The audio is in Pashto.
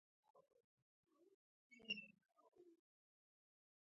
قطب جنوب هم د یخ ځایونو څخه دی.